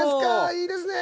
いいですね！